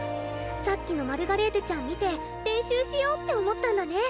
さっきのマルガレーテちゃん見て練習しようって思ったんだね。